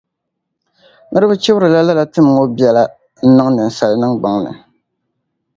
Niriba chibirila lala tim ŋɔ biɛla n-niŋ ninsala niŋgbuŋ ni.